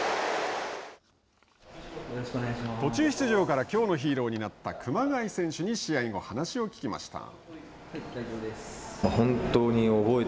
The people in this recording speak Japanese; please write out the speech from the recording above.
途中出場からきょうのヒーローになった熊谷選手に試合後、話を聞きました。